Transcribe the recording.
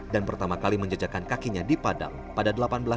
dan pertama kali menjejakkan kakinya di padang pada seribu delapan ratus tujuh puluh dua